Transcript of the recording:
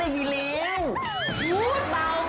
พูดเบาก็ได้ยินอย่างนั้นหรอ